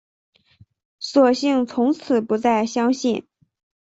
索性从此不再相信